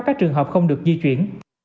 các trường hợp không được di chuyển